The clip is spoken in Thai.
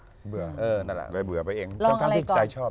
ก็เบื่อพี่พี่น่ะส่างที่ป่ายชอบ